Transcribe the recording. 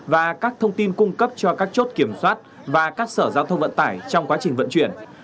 và các thông tin cung cấp cho các chốt kiểm soát và các sở giao thông vận tải trong quá trình vận chuyển